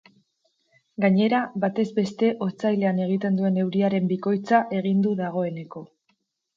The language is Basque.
Gainera, batez beste otsailean egiten duen euriaren bikoitza egin du dagoeneko.